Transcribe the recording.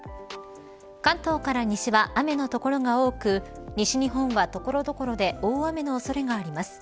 関東から西は雨の所が多く西日本は所々で大雨の恐れがあります。